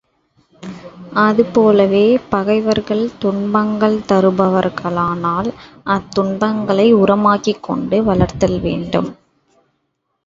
அது போலவே பகைவர்கள் துன்பங்கள் தருவார்களானால் அத்துன்பங்களை உரமாக்கிக் கொண்டு வளர்தல் வேண்டும்.